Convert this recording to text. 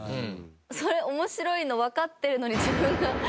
それ面白いのわかってるのに。